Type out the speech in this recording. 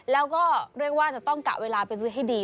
แล้วก็เรียกว่าจะต้องกะเวลาไปซื้อให้ดี